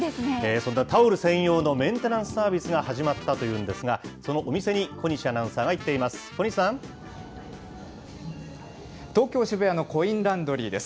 そんなタオル専用のメンテナンスサービスが始まったというんですが、そのお店に小西アナウンサーが行っています。